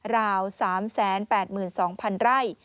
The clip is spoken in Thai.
ราว๓๘๒๐๐๐ไร่